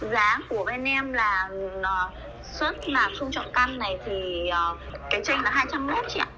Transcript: giá của bên em là xuất là khung trọng căn này thì cái chênh là hai trăm linh một chị ạ